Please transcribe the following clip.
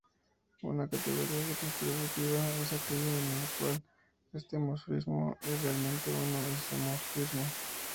Una categoría distributiva es aquella en el cual este morfismo es realmente un isomorfismo